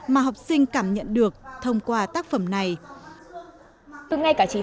mà học sinh cảm nhận được thông qua tác phẩm này